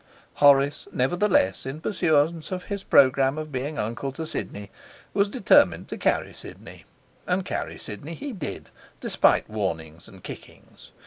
Horace, nevertheless, in pursuance of his programme of being uncle to Sidney, was determined to carry Sidney. And carry Sidney he did, despite warnings and kickings.